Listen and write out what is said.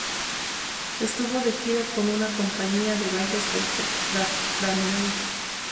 Estuvo de gira con una compañía de bailes folclóricos ucranianos.